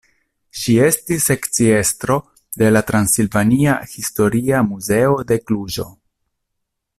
Ŝi estis sekciestro de la Transilvania Historia Muzeo de Kluĵo.